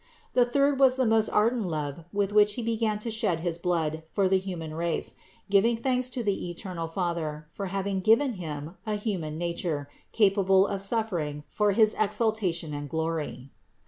The third was the most ardent love with which He began to shed his blood for the human race, giving thanks to the eternal Father for having given Him a human nature capable of suffering for his exaltation and glory.